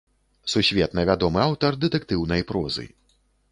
Сусветна вядомы аўтар дэтэктыўнай прозы.